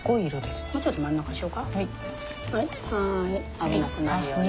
危なくないように。